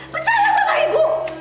percayalah sama ibu